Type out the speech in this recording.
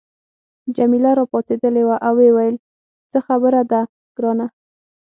جميله راپاڅیدلې وه او ویې ویل څه خبره ده ګرانه.